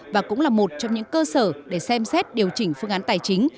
và cũng là một trong những cơ sở để xem xét điều chỉnh phương án tài chính